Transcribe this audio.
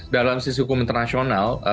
dalam sisi hukum internasional